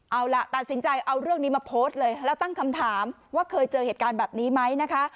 เอาล่ะตัดสินใจเอาเรื่องนี้มาโพสต์เลยแล้วตั้งคำถามว่าเคยเจอเหตุการณ์แบบนี้ไหมนะคะ